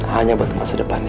hanya buat masa depannya